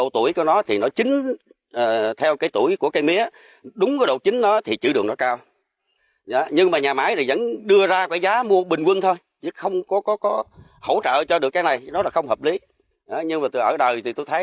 tôi thấy cái chuyện này rất bất hợp lý